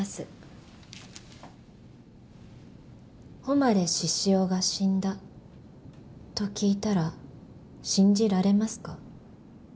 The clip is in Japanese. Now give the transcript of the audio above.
誉獅子雄が死んだと聞いたら信じられますか？